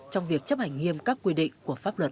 trong việc chấp hành nghiêm các quy định của pháp luật